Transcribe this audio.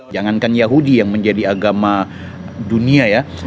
jangankan yahudi yang menjadi agama dunia ya